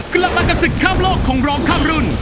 กลับมากับศึกข้ามโลกของร้องข้ามรุ่น